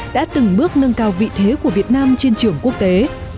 đã từng bước nâng cao vị thế của việt nam trên trường quốc tế